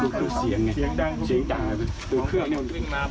การทำให้มันตามกฎหมายจะพูดมาก